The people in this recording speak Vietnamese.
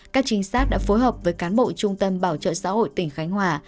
các trinh sát đã phối hợp với cán bộ trung tâm bảo trợ xã hội tỉnh khánh hòa